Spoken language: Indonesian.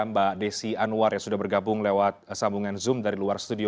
mbak desi anwar yang sudah bergabung lewat sambungan zoom dari luar studio